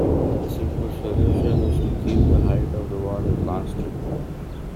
A simple solution is to keep the height of the water constant.